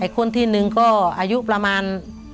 คนที่หนึ่งก็อายุประมาณ